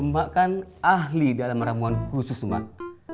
mak kan ahli dalam ramuan khusus mak